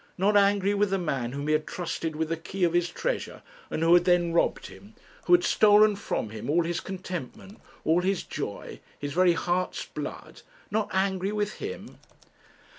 Not angry with the man whom he had trusted with the key of his treasure, and who had then robbed him; who had stolen from him all his contentment, all his joy, his very heart's blood; not angry with him!